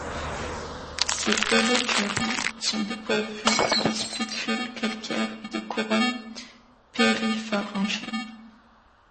Ces holothuries sont dépourvues de spicules calcaires et de couronne péripharyngienne.